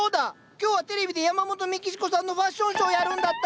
今日はテレビでヤマモトメキシコさんのファッションショーやるんだった。